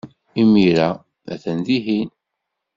Imir-a, atan dihin.